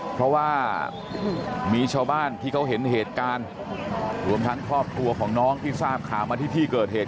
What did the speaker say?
เพราะว่ามีชาวบ้านที่เขาเห็นเหตุการณ์รวมทั้งครอบครัวของน้องที่ทราบข่าวมาที่ที่เกิดเหตุ